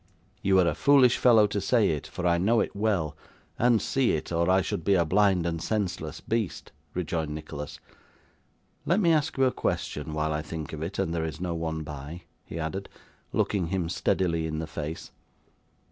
'You are a foolish fellow to say it, for I know it well, and see it, or I should be a blind and senseless beast,' rejoined Nicholas. 'Let me ask you a question while I think of it, and there is no one by,' he added, looking him steadily in the face.